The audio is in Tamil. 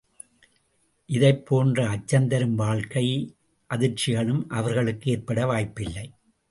இதைப் போன்ற அச்சந்தரும் வாழ்க்கை அதிர்ச்சிகளும் அவர்களுக்கு ஏற்பட வாய்ப்பில்லை.